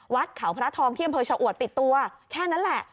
วัดเขาพระทองที่อำเภอชะอวดติดตัวแค่นั้นแหละ